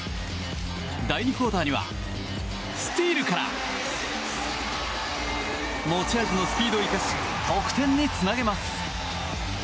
第２クオーターにはスティールから持ち味のスピードを生かし得点につなげます。